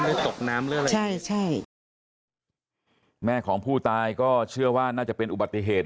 ตกน้ำหรืออะไรใช่ใช่แม่ของผู้ตายก็เชื่อว่าน่าจะเป็นอุบัติเหตุ